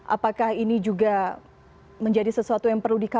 apakah ini juga menjadi sesuatu yang perlu dikawal